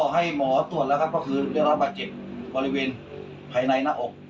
ให้หมอตรวจแล้วครับก็คือได้รับบาดเจ็บบริเวณภายในหน้าอก